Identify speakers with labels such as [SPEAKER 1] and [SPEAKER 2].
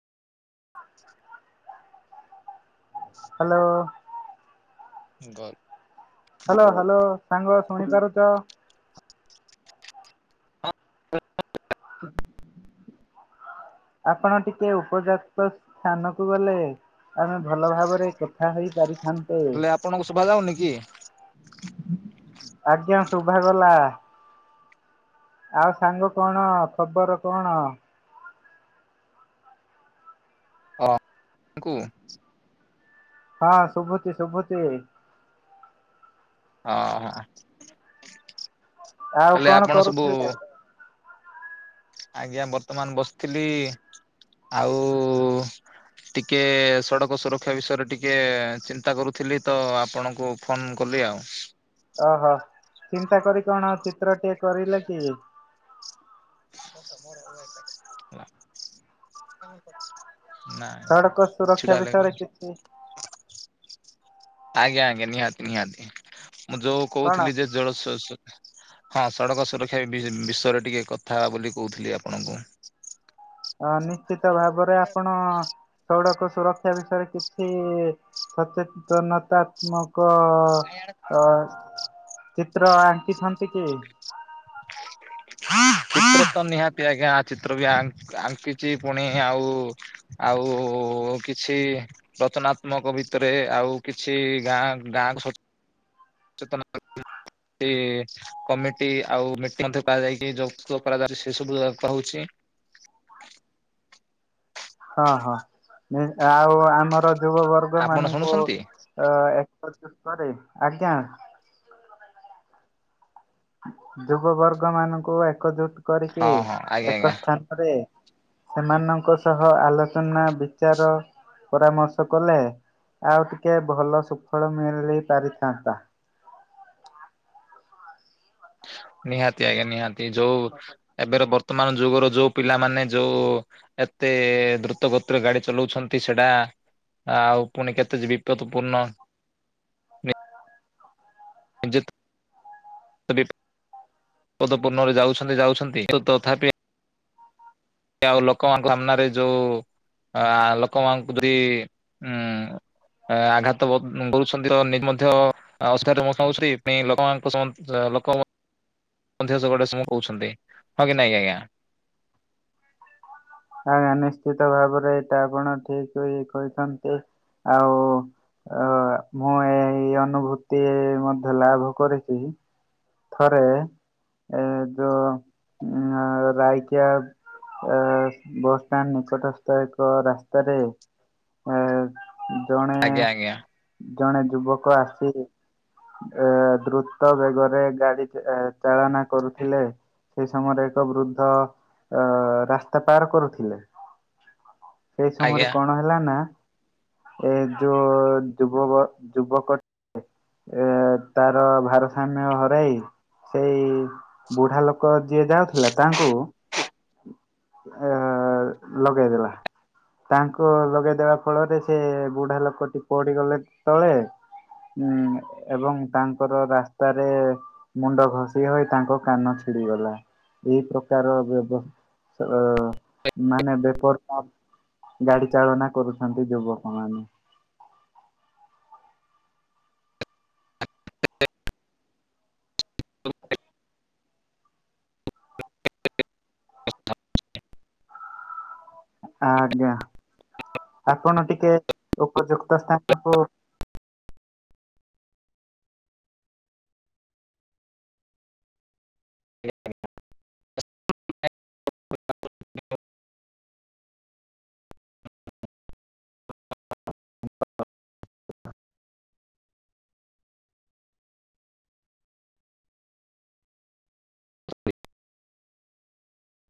[SPEAKER 1] Hello.
[SPEAKER 2] ଗର୍। [inaudible]
[SPEAKER 1] Hello hello ସାଙ୍ଗ ଶୁଣିପାରୁଛ।
[SPEAKER 2] [inaudible]
[SPEAKER 1] ଆପଣ ଟିକେ ଉପଯାକ୍ତ ସ୍ଥାନ କୁ ଗଲେ। ଆମେ ଭଲ ଭାବରେ କଥା ହେଇ ପାରିଥାନ୍ତେ।
[SPEAKER 2] ହେଲେ ଆପଣଙ୍କୁ ଶୁଭା ଯାଉନି କି
[SPEAKER 1] ଆଜ୍ଞା ଶୁଭାଗଲା। ଆଉ ସାଙ୍ଗ କଣ ଖବର କଣ?
[SPEAKER 2] [unintelligible]
[SPEAKER 1] ହଁ ଶୁଭୁଚି ଶୁଭୁଚି।
[SPEAKER 2] ହଁ।
[SPEAKER 1] ଆଉ
[SPEAKER 2] ହେଲେ
[SPEAKER 1] କଣ
[SPEAKER 2] ଆପଣ ସବୁ
[SPEAKER 1] କରୁଥିଲେ?
[SPEAKER 2] ଆଜ୍ଞା ବର୍ତ୍ତମାନ ବସିଥିଲି ଆଉ। ଟିକେ ସଡ଼କ ସୁରକ୍ଷା ବିଷୟରେ ଟିକେ ଚିନ୍ତା କରୁଥିଲି ତ ଆପଣଙ୍କୁ ଫୋନ୍ କଲି ଆଉ।
[SPEAKER 1] ଓହୋ ଚିନ୍ତା କରି କଣ ଚିତ୍ର ଟିକେ କରିଲେ କି?
[SPEAKER 2] ମୋରାଇ [inaudible]
[SPEAKER 1] ସଡ଼କ ସୁରକ୍ଷା ବିଷୟରେ କିଛି।
[SPEAKER 2] ଆଜ୍ଞା ଆଜ୍ଞା ନିହାତି ନିହାତି ମୁଁ ଯୋଉ
[SPEAKER 1] କଣ?
[SPEAKER 2] କହୁଥିଲି ଯେ ଜଳସ୍ ହଁ ସଡ଼କ ସୁରକ୍ଷା ବିଷ ବିଷୟରେ ଟିକେ କଥା ହେବା ବୋଲି କହୁଥିଲି ଆପଣଙ୍କୁ।
[SPEAKER 1] ଅ ନିଶ୍ଚିତ ଭାବରେ ଆପଣ ସଡକ ସୁରକ୍ଷା ବିଷୟରେ କିଛି ସଚେତନତା ମୋକ ଅ ଚିତ୍ର ଆଙ୍କିଛନ୍ତି କି?
[SPEAKER 2] [inaudible] ଚିତ୍ର ତ ନିହାତି ଆଜ୍ଞା ଚିତ୍ର ବି ଆଙ୍କିଛି ପୁଣି ଆଉ। ଆଉ କିଛି। ରଚନାତ୍ମକ ଭିତରେ ଆଉ କିଛି ଗାଁ ଗାଁ ସ ଚେତନ ସେ କମିଟି ଆଉ ମିଟିଂ ମଧ୍ୟ କରାଯାଇକି ଯୋଗ କରାଯାଉଛି ସେ ସବୁ ହଉଛି।
[SPEAKER 1] ହଁ ହଁ ଆଉ ଆମର ଯୁବବର୍ଗ
[SPEAKER 2] ଆପଣ
[SPEAKER 1] ମାନଙ୍କୁ
[SPEAKER 2] ଶୁଣୁଛନ୍ତି
[SPEAKER 1] ଅ ଏକଜୁଟ କରି ଆଜ୍ଞା। ଯୁବ ବର୍ଗ ମାନଙ୍କୁ ଏକଜୁଟ କରିକି
[SPEAKER 2] ହଁ ହଁ ଆଜ୍ଞା
[SPEAKER 1] ଏକ
[SPEAKER 2] ଆଜ୍ଞା
[SPEAKER 1] ସ୍ଥାନରେ ସେମାନଙ୍କ ସହ ଆଲୋଚନା ବିଚାର ପରାମର୍ଶ କଲେ ଆଉ ଟିକେ ଭଲ ସୁଫଳ ମିଳି ପାରିଥାନ୍ତା।
[SPEAKER 2] ନିହାତି ଆଜ୍ଞା ନିହାତି ଯୋଉ ଏବେର ବର୍ତ୍ତମାନ ଯୁଗର ଯୋଉ ପିଲାମାନେ ଯୋଉ ଏତେ ଦ୍ରୁତ ଗତିରେ ଗାଡି ଚଲାଉଛନ୍ତି ସେଟା ଆଉ ପୁଣି କେତେ ବିପଦ ପୂର୍ଣ୍ଣ [unintelligible] ପଦ ପୂର୍ଣ୍ଣରେ ଯାଉଛନ୍ତି ଯାଉଛନ୍ତି ତଥାପି ଆଉ ଲୋକମାନଙ୍କ ସାମ୍ନାରେ ଯୋଉ ଅ ଲୋକମାନଙ୍କୁ ଯି ଉ ଆଘାତ କରୁଛନ୍ତି ତ ନିଜେ ମଧ୍ୟ ଆଉସ୍ରେ ମୁଁ ଶୁି ଲୋକଙ୍କ ଲୋକ [inaudible] ଟେ କହୁଛନ୍ତି ହଁ କି ନାଇଁ ଆଜ୍ଞା
[SPEAKER 1] ଆଜ୍ଞା ନିଶ୍ଚିତ ଭାବରେ ଏଇଟା ଆପଣ ଠିକ ଭି କହିଛନ୍ତି ଆଉ ଅ ମୁଁ ଏଇ ଅନୁଭୂତି ମଧ୍ୟ ଲାଭ କରିଛି ଥରେ ଏ ଯୋଉ ଉ ରାଇକିଆ ଅ ବସଷ୍ଟାଣ୍ଡ ନିକଟସ୍ଥ ଏକ ରାସ୍ତାରେ ଆ-ଆ-ଆ ଜଣେ
[SPEAKER 2] ଆଜ୍ଞା ଆଜ୍ଞା।
[SPEAKER 1] ଜଣେ ଯୁବକ ଆସି ଏ-ଏ-ଏ ଦ୍ରୁତ ବେଗରେ ଗାଡି ଏ ଚାଳନା କରୁଥିଲେ ସେଇ ସମୟରେ ଏକ ବୃଦ୍ଧ-ଅ ଅ-ଅ-ଅ ରାସ୍ତା ପାର କରୁଥିଲେ ସେଇ ସମୟରେ
[SPEAKER 2] ଆଜ୍ଞା।
[SPEAKER 1] କଣ ହେଲା ନା ଏ ଯୋ-ଓ-ଓ ଯୁବକ ଯୁବକ ଏ-ଏ-ଏ ତାର ଭାରସାମ୍ୟ ହ ହରାଇ ସେଇ-ଇ-ଇ-ଇ ବୁଢା ଲୋକ ଯିଏ ଯାଉଥିଲା ତାଙ୍କୁ ଅ-ଅ-ଅ ଲଗେଇଦେଲା। ତାଙ୍କୁ ଲଗେଇଦବା ଫଳରେ ସେ-ଏ-ଏ ବୁଢା ଲୋକ ଟି ପଡିଗଲେ ତଳେ। ଉଁ ଏବଂ ତାଙ୍କର ରାସ୍ତାରେ-ଏ-ଏ ମୁଣ୍ଡ ଘଷି ହୋଇ ତାଙ୍କ କାନ ଛିଡିଗଲା। ଏଇ ପ୍ରକାର ବ୍ୟବ ଚର-ଅ-ଅ ମାନେ [unintelligible] ଗାଡି ଚାଳନା କରୁଛନ୍ତି ଯୁବକ ମାନେ। [inaudible] [inaudible] ଆଜ୍ଞା ଆପଣ ଟିକେ ଉପଯୁକ୍ତ ସ୍ଥାନକୁ
[SPEAKER 2] [unintelligible] [unintelligible] [unintelligible]